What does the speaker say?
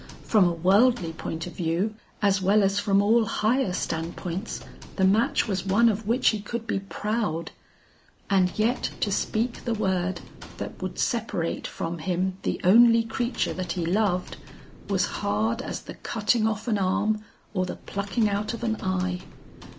From a worldly point of view, as well as from all higher standpoints, the match was one of which he could be proud; and yet to speak the word that would separate from him the only creature that he loved, was hard as the cutting off an arm or the plucking out of an eye.